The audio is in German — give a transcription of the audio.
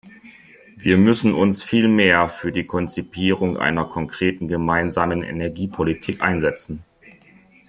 Wir müssen uns viel mehr für die Konzipierung einer konkreten gemeinsamen Energiepolitik einsetzen.